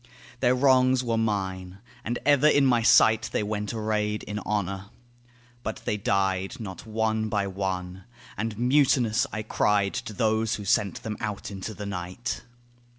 Their wrongs were mine; and ever in my sight They went arrayed in honour. But they died, Not one by one: and mutinous I cried To those who sent them out into the night.